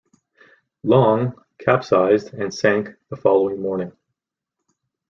"Long" capsized and sank the following morning.